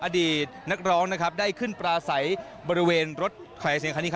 อดีตนักร้องนะครับได้ขึ้นปลาสัยบริเวณรถไข่เสียงคันนี้ครับ